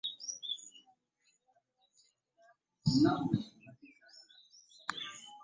Olw'obuzira bwaffe n'obumanyirivu bwe tulina tuli bangu nnyo okukyusa emize gyaffe n'okugoberera ebiggya.